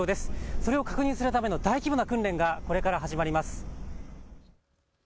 それを確認するための大規模な訓練がこれから始まります。